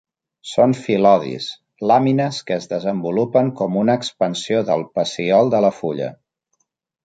Són fil·lodis, làmines que es desenvolupen com una expansió del pecíol de la fulla.